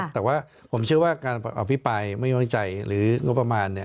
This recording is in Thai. แต่ว่าผมเชื่อว่าการอภิปริย์ไม่มั่นใจหรือนวัฒนามาณเนี่ย